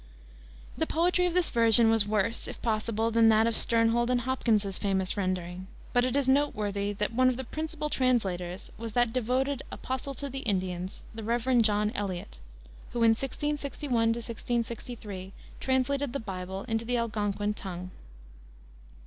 The poetry of this version was worse, if possible, than that of Sternhold and Hopkins's famous rendering; but it is noteworthy that one of the principal translators was that devoted "Apostle to the Indians," the Rev. John Eliot, who, in 1661 63, translated the Bible into the Algonkin tongue.